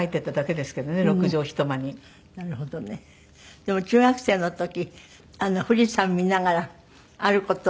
でも中学生の時富士山見ながらある事を誓ったんですって？